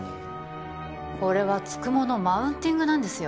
これは九十九のマウンティングなんですよ